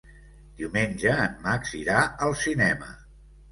Diumenge en Max irà al cinema.